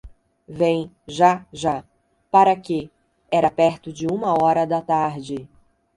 Vem, já, já, para quê? Era perto de uma hora da tarde.